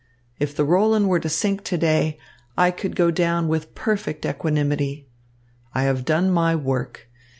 If the Roland were to sink to day, I could go down with perfect equanimity. I have done my work.